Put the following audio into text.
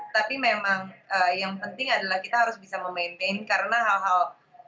tapi memang yang penting adalah kita harus bisa memaintain karena hal hal